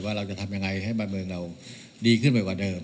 เราจะทำยังไงให้บ้านเมืองเราดีขึ้นไปกว่าเดิม